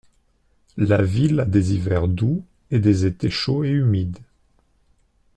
La ville a des hivers doux et des étés chauds et humides.